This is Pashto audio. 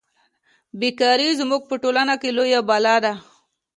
بې کاري زموږ په ټولنه کې لویه بلا ده